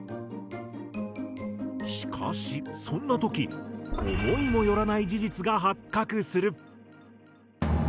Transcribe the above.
しかしそんな時思いも寄らない事実が発覚する。